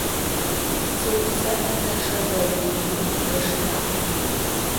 Çütse neşşebeguit'uri ışştağ.